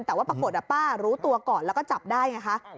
แต่ว่าปรากฏป้ารู้ตัวก่อนแล้วก็จับได้ไงคะ